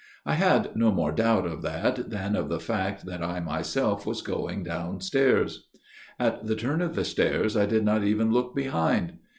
I had no more doubt of that than of the fact that I myself was going downstairs. At the turn of the stairs I did not even look behind.